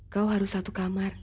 kau harus satu kamar